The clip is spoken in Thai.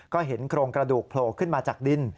ก็เห็นโครงกระดูกโผล่ขึ้นมาจากดิน